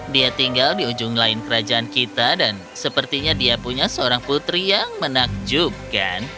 dia tinggal di ujung lain kerajaan kita dan sepertinya dia punya seorang putri yang menakjubkan